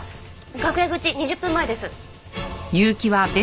楽屋口２０分前です。